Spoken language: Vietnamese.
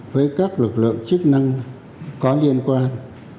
với các lực lượng chức năng có liên quan